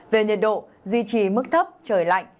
về nhiệt độ duy trì mức thấp trời lạnh